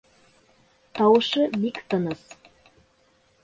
Тауышы бик тыныс.